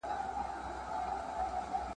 خوږو هنرونو پالنه کړې ده